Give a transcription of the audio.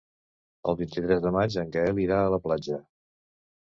El vint-i-tres de maig en Gaël irà a la platja.